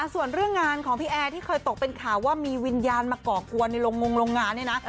ส่วนเรื่องงานของพี่แอร์ที่เคยตกเป็นข่าวว่ามีวิญญาณมาก่อกวนในโรงงงโรงงานเนี่ยนะ